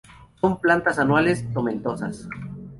Son plantas anuales, tomentosas.